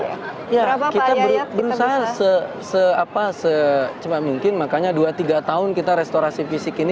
ya kita berusaha secepat mungkin makanya dua tiga tahun kita restorasi fisik ini